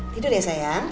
tidur ya sayang